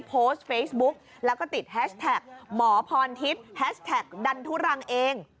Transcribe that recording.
โพสต์เฟซบุ๊กแล้วก็ติดแฮชแท็กหมอพรทิพย์แฮชแท็กดันทุรังเอง